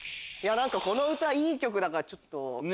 この歌いい曲だからちょっと。